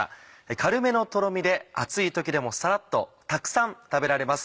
軽めのとろみで暑い時でもさらっとたくさん食べられます。